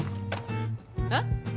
えっ？